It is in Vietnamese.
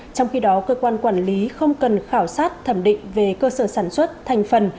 trong khi đó cơ quan quản lý không cần khảo sát thẩm định về cơ sở sản xuất thành phần